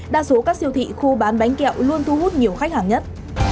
đa số các siêu thị khu bán bánh kẹo luôn thu hút nhiều khách hàng nhất